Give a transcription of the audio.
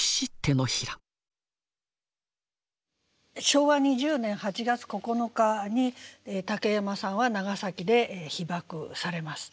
昭和２０年８月９日に竹山さんは長崎で被爆されます。